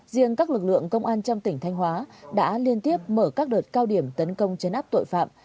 riêng các lực lượng công an trong tỉnh thanh hóa đã liên tiếp mở các đợt cao điểm tấn công chấn áp tội phạm